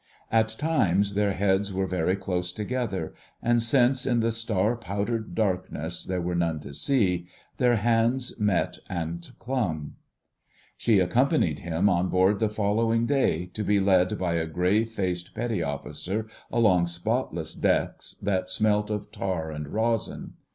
At times their heads were very close together, and, since in the star powdered darkness there were none to see, their hands met and clung. She accompanied him on board the following day, to be led by a grave faced Petty Officer along spotless decks that smelt of tar and resin.